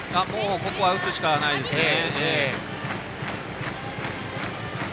ここは打つしかないですね。